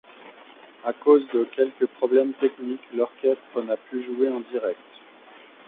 À cause de quelques problèmes techniques, l’orchestre n'a pu jouer en direct.